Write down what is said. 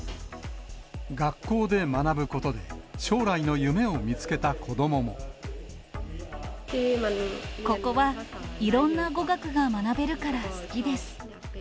学校で学ぶことで、ここはいろんな語学が学べるから好きです。